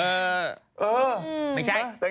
เออไม่ใช่